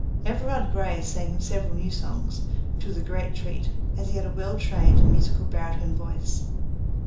Everard Grey sang several new songs, which was a great treat, as he had a well trained and musical baritone voice.